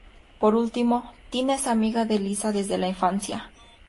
Por último, Tina es amiga de Lisa desde la infancia.